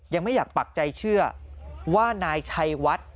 ยังไม่อยากปักใจเชื่อว่านายชัยวัด